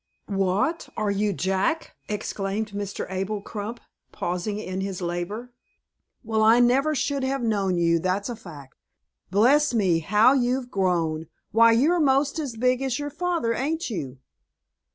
"What, are you Jack?" exclaimed Mr. Abel Crump, pausing in his labor; "well, I never should have known you, that's a fact. Bless me, how you've grown! Why, you're most as big as your father, ain't you?"